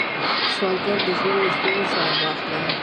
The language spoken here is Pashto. سوالګر د ژوند له ستونزو سره مخ دی